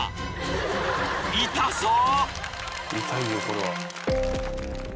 ［痛そう！］